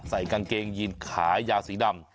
ใส่กางเกงยีนขายาวสีดำ